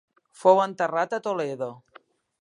Fou enterrat a Toledo.